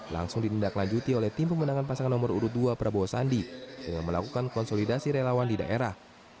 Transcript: langsung ditindaklanjuti oleh tim pemenangan pasangan nomor urut dua prabowo sandi dengan melakukan konsolidasi relawan di daerah